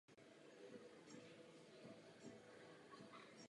Poslední tým po základní části sestoupil do příslušného krajského přeboru.